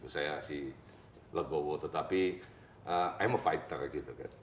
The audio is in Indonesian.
saya si legowo tetapi i'm a fighter gitu kan